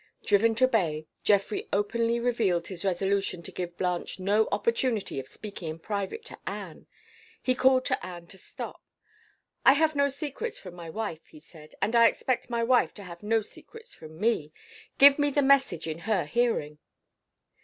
Driven to bay, Geoffrey openly revealed his resolution to give Blanche no opportunity of speaking in private to Anne. He called to Anne to stop. "I have no secrets from my wife," he said. "And I expect my wife to have no secrets from me. Give me the message in her hearing."